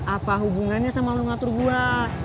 apa hubungannya sama lu ngatur gue